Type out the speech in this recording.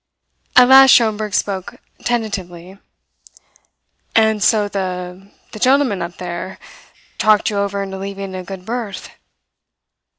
At last Schomberg spoke tentatively: "And so the the gentleman, up there, talked you over into leaving a good berth?"